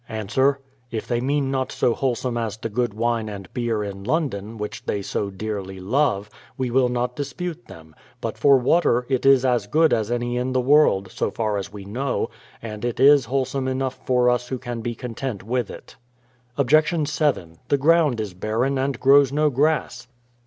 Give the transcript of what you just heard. Ans: If they mean not so wholesome as the good wine and beer in London, which they so dearly love, we will not dispute them; but for water, it is as good as any in the world, so far as we know, and it is wholesome enough for us who can be content with it. Obj. 7. The ground is barren, and grows no grass.